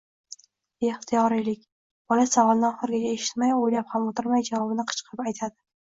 Beixtiyoriylik: bola savolni oxirigacha eshitmay, o‘ylab ham o‘tirmay, javobini qichqirib aytadi